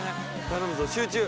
頼むぞ集中。